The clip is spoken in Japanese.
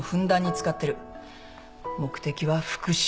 目的は復讐。